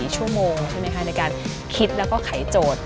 ๒๔ชั่วโมงในการคิดแล้วก็ไขโจทย์